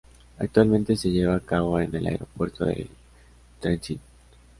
Actualmente se lleva a cabo en el Aeropuerto de Trenčín.